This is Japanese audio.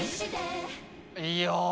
いや。